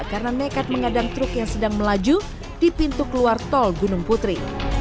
karena nekat mengadang truk yang sedang melaju di pintu keluar tol gunung putri